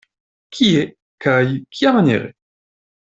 Kie kaj kiamaniere?